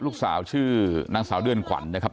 ลูกสาวชื่อนางสาวเดือนขวัญนะครับ